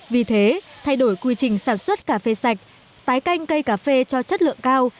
vì thế thay đổi quy trình sản xuất cà phê sạch tái canh cây cà phê cho chất lượng cao